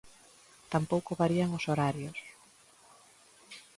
Tampouco varían os horarios.